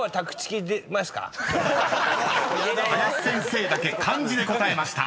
［林先生だけ漢字で答えました］